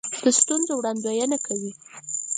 د ستونزو وړاندوینه کوي.